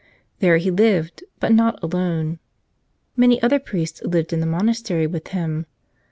There he lived, but not alone. Many other priests lived in the monastery with him.